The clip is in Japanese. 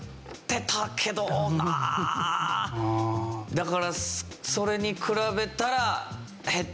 だからそれに比べたら減った。